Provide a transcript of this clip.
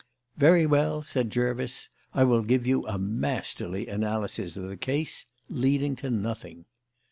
"Very well," said Jervis, "I will give you a masterly analysis of the case leading to nothing."